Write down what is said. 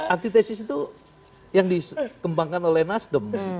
antitesis itu yang dikembangkan oleh nasdem